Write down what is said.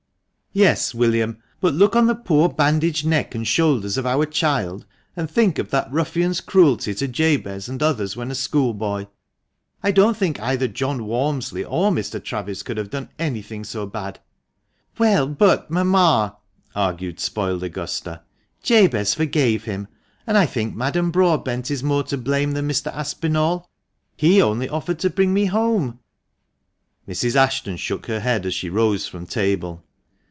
"Yes, William, but look on the poor bandaged neck and shoulders of our child, and think of that ruffian's cruelty to THE MANCHESTER MAN. 249 Jabez and others when a schoolboy. I don't think either John Walmsley or Mr. Travis could have done anything so bad." " Well, but, mamma," argued spoiled Augusta, " Jabez forgave him ; and I think Madame Broadbent is more to blame than Mr. Aspinall — he only offered to bring me home." Mrs. Ashton shook her head as she rose from table.